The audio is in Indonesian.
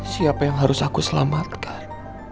siapa yang harus aku selamatkan